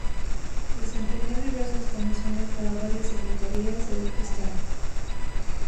Desempeñó diversas comisiones para varias secretarías de estado.